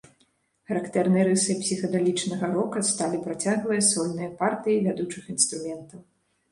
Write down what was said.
Характэрнай рысай псіхадэлічнага рока сталі працяглыя сольныя партыі вядучых інструментаў.